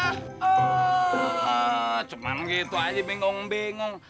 oh cuma gitu aja bingung bingung